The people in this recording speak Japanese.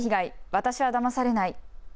私はだまされない。